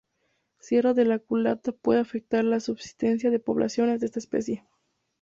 Sierra de La Culata pueden afectar la subsistencia de poblaciones de esta especie.